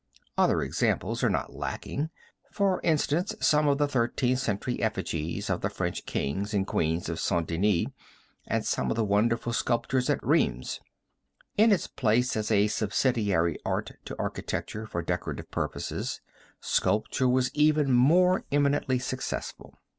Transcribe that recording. Other examples are not lacking, as for instance some of the Thirteenth Century effigies of the French kings and queens at St. Denis, and some of the wonderful sculptures at Rheims. In its place as a subsidiary art to architecture for decorative purposes, sculpture was even more eminently successful.